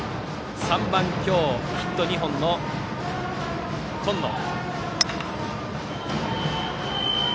３番、今日ヒット２本の今野。